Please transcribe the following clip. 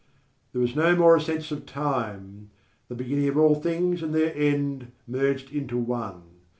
_There was no more a sense of time; the beginning of all things and their end merged into one.